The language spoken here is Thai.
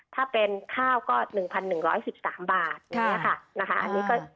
ถ้าเป็นข้าวก็๑๑๑๑๓บาทอย่างนี้ค่ะนะคะ